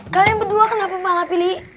kalian berdua kenapa malah pilih